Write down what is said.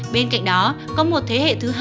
bên cạnh đó có một thế hệ thứ hai